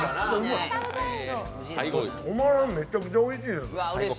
止まらん、めっちゃくちゃおいしいです。